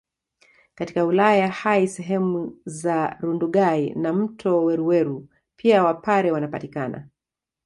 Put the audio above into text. Katika wilaya ya Hai sehemu za Rundugai na mto Weruweru pia wapare wanapatikana